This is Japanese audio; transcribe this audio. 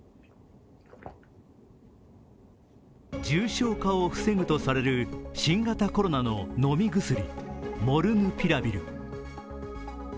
重症化を防ぐとされる新型コロナの飲み薬、モルヌピラビル。